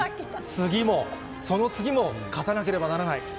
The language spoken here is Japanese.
次も、その次も、勝たなければならない。